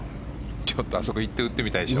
ちょっとあそこに行って打ってみたいでしょ。